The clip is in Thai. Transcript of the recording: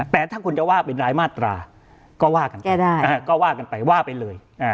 แต่ถ้าคนจะว่าเป็นรายมาตราก็ว่ากันไปว่าไปเลย